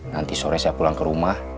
nanti sore saya pulang ke rumah